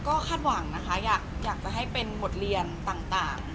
ก็คาดหวังนะคะอยากจะให้เป็นบทเรียนต่าง